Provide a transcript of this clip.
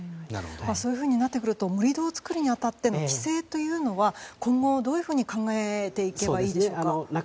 そうなってくると盛り土を作るに当たっての規制というのは今後、どういうふうに考えていけばいいでしょうか。